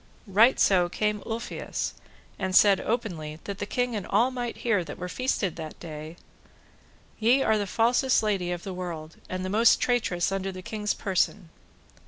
Right so came Ulfius, and said openly, that the king and all might hear that were feasted that day, Ye are the falsest lady of the world, and the most traitress unto the king's person.